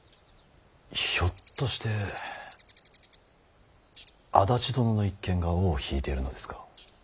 ひょっとして安達殿の一件が尾を引いているのですか。